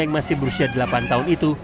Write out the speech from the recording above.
yang masih berusia delapan tahun itu